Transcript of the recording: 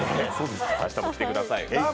明日も来てください。